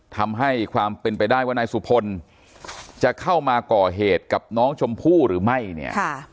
ทำให้ความเป็นไปได้ว่านายสุพลจะเข้ามาก่อเหตุกับน้องชมพู่หรือไม่เนี่ย